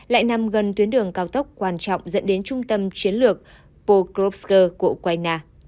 lại nằm gần tuyến đường cao tốc quan trọng dẫn đến trung tâm chiến lược pokrover của ukraine